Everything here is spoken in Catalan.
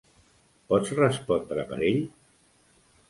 Pots respondre per ell?